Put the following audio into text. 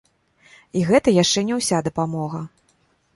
І гэта яшчэ не ўся дапамога.